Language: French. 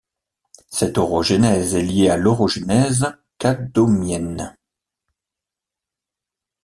Cette orogenèse est liée à l'orogenèse Cadomienne.